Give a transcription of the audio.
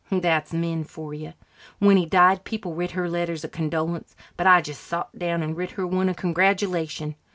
That's men for you. When he died, people writ her letters of condolence but I just sot down and writ her one of congratulation.